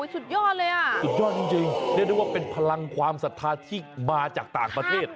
สุดยอดเลยอ่ะสุดยอดจริงเรียกได้ว่าเป็นพลังความศรัทธาที่มาจากต่างประเทศ